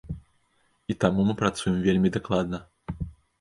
І таму мы працуем вельмі дакладна.